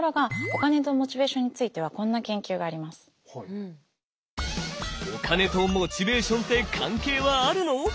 お金とモチベーションって関係はあるの？